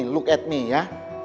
look at me ya